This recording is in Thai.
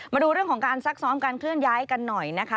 มาดูเรื่องของการซักซ้อมการเคลื่อนย้ายกันหน่อยนะคะ